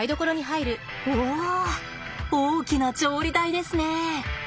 お大きな調理台ですね。